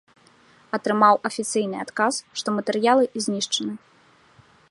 Атрымаў афіцыйны адказ, што матэрыялы знішчаны.